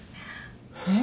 えっ？